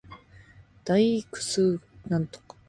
大楠登山口